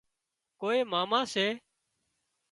ڪوئي ماما سي